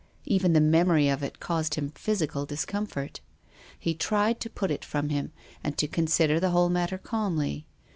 Even the memory of it caused him physical discomfort, lie tried to put it from him, and to consider the whole matter calmly.